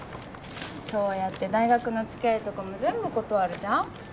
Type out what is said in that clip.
そうやって大学のつきあいとかも全部断るじゃん？